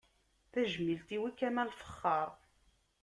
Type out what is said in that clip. Tajmilt-iw i Kamal Fexxaṛ.